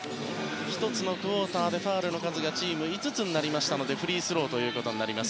１つのクオーターでチーム５つになりましたのでフリースローとなります。